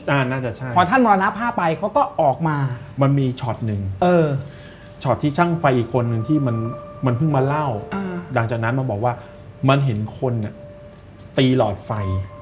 น่าจะใช่พอท่านมรณภาพไปเขาก็ออกมามันมีช็อตหนึ่งเออช็อตที่ช่างไฟอีกคนนึงที่มันเพิ่งมาเล่าหลังจากนั้นมาบอกว่ามันเห็นคนตีหลอดไฟ